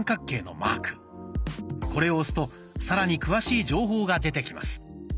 これを押すとさらに詳しい情報が出てきます。